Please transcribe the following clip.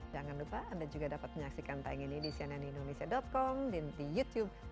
jangan lupa anda juga dapat menyaksikan tayang ini di cnnindonesia com dan di youtube